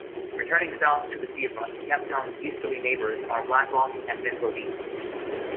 Returning south to the seafront, Kemptown's easterly neighbours are Black Rock and then Roedean.